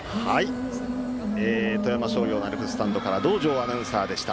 富山商業のアルプススタンドから道上アナウンサーでした。